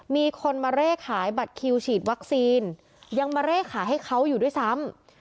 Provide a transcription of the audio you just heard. มีคนมาเร่ขายบัตรคิวฉีดวัคซีนยังมาเร่ขายให้เขาอยู่ด้วยซ้ำ